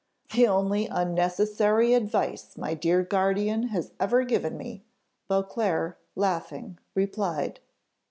"The only unnecessary advice my dear guardian has ever given me," Beauclerc, laughing, replied.